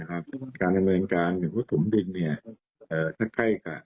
นะครับการดำเนินการอย่างหัวถอมดินเนี่ยเอ่อถ้าใกล้กับ